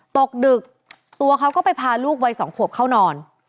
ตกดึกตัวเขาก็ไปพาลูกวัย๒ขวบเข้านอน